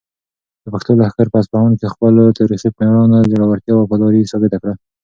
د پښتنو لښکر په اصفهان کې خپله تاریخي مېړانه، زړورتیا او وفاداري ثابته کړه.